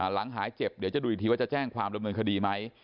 หลังหายเจ็บเดี๋ยวจะดูอีกทีว่าจะแจ้งความดำเนินคดีไหม